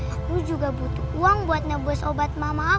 aku juga butuh uang buat ngebus obat mama aku boleh ya kak